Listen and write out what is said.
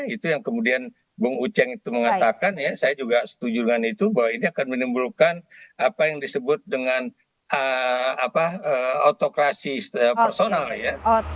itu yang kemudian bung uceng itu mengatakan ya saya juga setuju dengan itu bahwa ini akan menimbulkan apa yang disebut dengan autokrasi personal ya